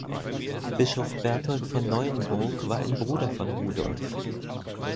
Bischof Berthold von Neuenburg war ein Bruder von Rudolf.